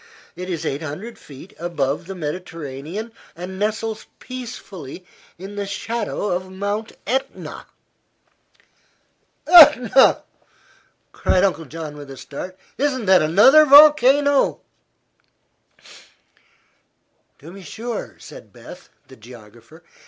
It is eight hundred feet above the Mediterranean and nestles peacefully in the shadow of Mount Etna.'" "Etna!" cried Uncle John, with a start. "Isn't that another volcano?" "To be sure," said Beth, the geographer.